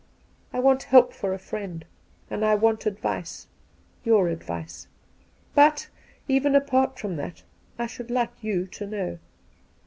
I want help for a friend, and I want advice — your adyice ! But, even apart from that, I should like you to know.'